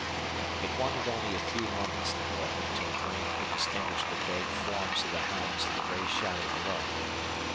It wanted only a few moments, however, till Duane could distinguish the vague forms of the hounds in the gray shadow below.